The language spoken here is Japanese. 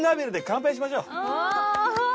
乾杯！